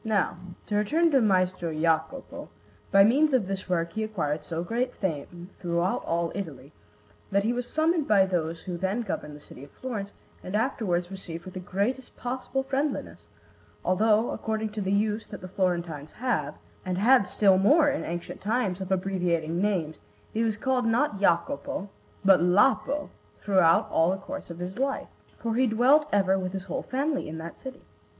Now, to return to Maestro Jacopo; by means of this work he acquired so great fame throughout all Italy that he was summoned by those who then governed the city of Florence, and afterwards received with the greatest possible friendliness; although, according to the use that the Florentines have, and had still more in ancient times, of abbreviating names, he was called not Jacopo but Lapo throughout all the course of his life; for he dwelt ever with his whole family in that city.